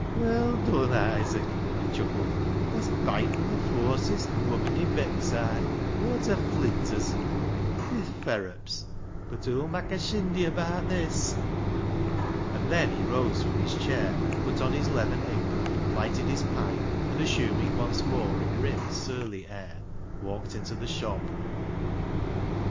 " Well dun, Isaac," he chuckled, " tha's byetten [beaten] th' fawsest woman i' Beckside aw ta flinters. Bi th' ferrups ! bud hoo'll mak' a shindy abaat this." And then he rose from his chair, put on his leathern apron, lighted his pipe, and assuming once more a grim, surly air, walked into the shop.